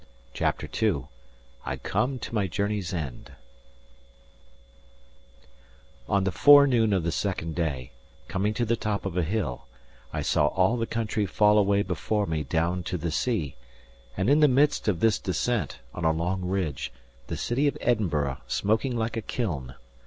CHAPTER II I COME TO MY JOURNEY'S END On the forenoon of the second day, coming to the top of a hill, I saw all the country fall away before me down to the sea; and in the midst of this descent, on a long ridge, the city of Edinburgh smoking like a kiln.